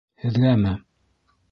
Һеҙгәме?